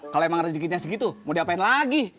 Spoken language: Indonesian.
kalau emang rezekinya segitu mau diapain lagi